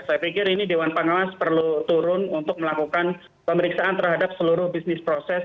saya pikir ini dewan pengawas perlu turun untuk melakukan pemeriksaan terhadap seluruh bisnis proses